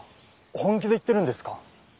本気で言ってるんですか？